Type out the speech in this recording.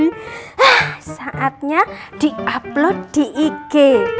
hah saatnya di upload di ik